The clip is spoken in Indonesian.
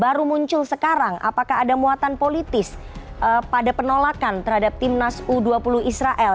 baru muncul sekarang apakah ada muatan politis pada penolakan terhadap timnas u dua puluh israel